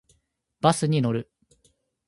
バスに乗る。